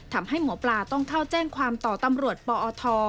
ทำให้หมอปลาต้องเข้าแจ้งความต่อตำรวจปอท